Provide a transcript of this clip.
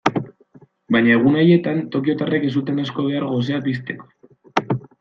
Baina egun haietan tokiotarrek ez zuten asko behar gosea pizteko.